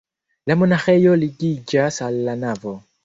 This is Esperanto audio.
La monaĥejo ligiĝas al la navo.